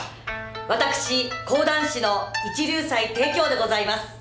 私講談師の一龍斎貞鏡でございます。